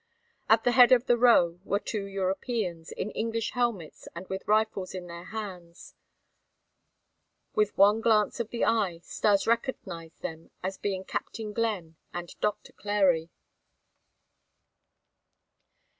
At the head of the row were two Europeans, in English helmets and with rifles in their hands. With one glance of the eye Stas recognized them as being Captain Glenn and Doctor Clary.